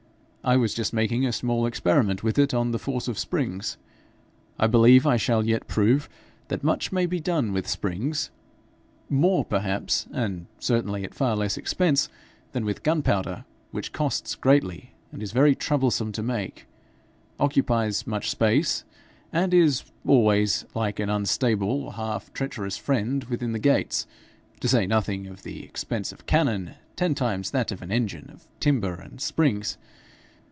I was just making a small experiment with it on the force of springs. I believe I shall yet prove that much may be done with springs more perhaps, and certainly at far less expense, than with gunpowder, which costs greatly, is very troublesome to make, occupies much space, and is always like an unstable, half treacherous friend within the gates to say nothing of the expense of cannon ten times that of an engine of timber and springs.